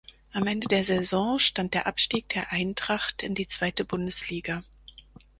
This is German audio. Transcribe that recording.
Am Ende der Saison stand der Abstieg der Eintracht in die Zweite Bundesliga.